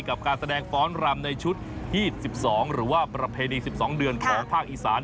การแสดงฟ้อนรำในชุดฮีด๑๒หรือว่าประเพณี๑๒เดือนของภาคอีสาน